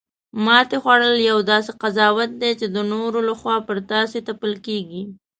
ماتې خوړل یو داسې قضاوت دی چې د نورو لخوا پر تاسې تپل کیږي